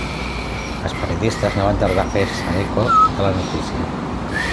Els periodistes no van tardar a fer-se eco de la notícia.